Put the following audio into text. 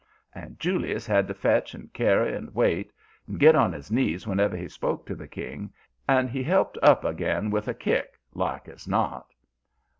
And Julius had to fetch and carry and wait, and get on his knees whenever he spoke to the king, and he helped up again with a kick, like as not.